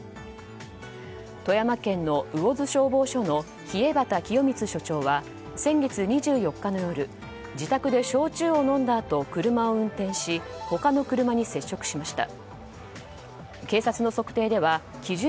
富山県の魚津消防署の稗畑清光署長は先月２４日の夜自宅で焼酎を飲んだあと車を運転し他の車に接触しました。